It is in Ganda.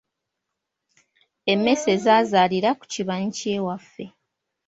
Emmese zaazaalira mu kibanyi ky’ewaffe.